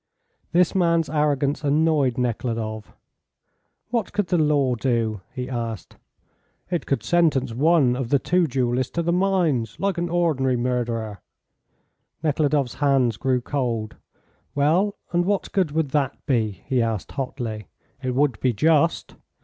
This man's arrogance annoyed Nekhludoff. "What could the law do?" he asked. "It could sentence one of the two duellists to the mines like an ordinary murderer." Nekhludoff's hands grew cold. "Well, and what good would that be?" he asked, hotly. "It would be just."